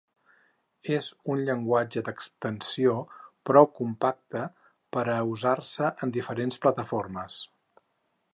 És un llenguatge d'extensió, prou compacte per a usar-se en diferents plataformes.